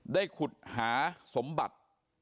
ได้ขุดหาสมบัติ